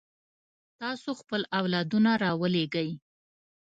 تاسو خپل اولادونه رالېږئ.